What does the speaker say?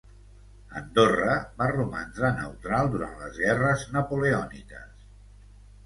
Andorra va romandre neutral durant les guerres napoleòniques.